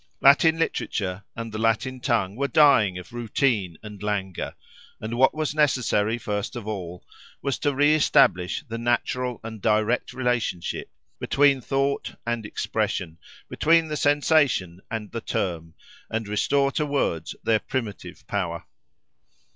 Latin literature and the Latin tongue were dying of routine and languor; and what was necessary, first of all, was to re establish the natural and direct relationship between thought and expression, between the sensation and the term, and restore to words their primitive power.